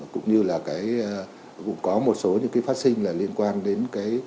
cũng như là có một số phát sinh liên quan đến